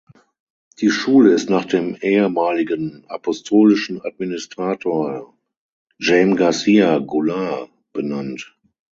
Die Schule ist nach dem ehemaligen apostolischen Administrator Jaime Garcia Goulart benannt.